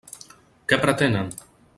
Què pretenen?